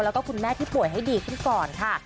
แล้วก็คุณแม่ที่ป่วยให้ดีขึ้นก่อนค่ะ